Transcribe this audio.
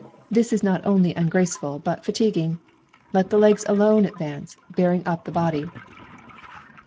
This is not only ungraceful but fatiguing. Let the legs alone advance, bearing up the body.